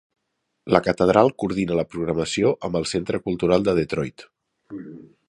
La catedral coordina la programació amb el Centre Cultural de Detroit.